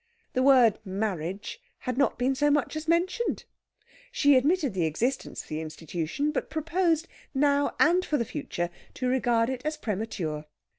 The word "marriage" had not been so much as mentioned. She admitted the existence of the institution, but proposed now and for the future to regard it as premature.